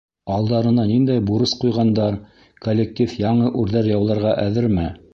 Алдарына ниндәй бурыс ҡуйғандар, коллектив яңы үрҙәр яуларға әҙерме?